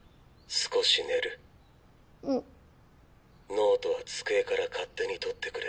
ノートは机から勝手に取ってくれ。